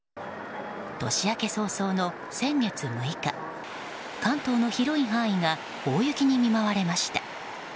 年明け早々の先月６日関東の広い範囲で大雪に見舞われました。